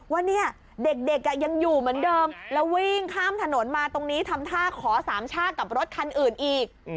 ว่าเนี่ยเด็กยังอยู่เหมือนเดิมแล้ววิ่งข้ามถนนมาตรงนี้ทำท่าขอสามชากกับรถคันอื่นอีก